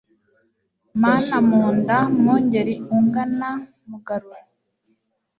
Manamunda, mwungeri ungana Mugarura,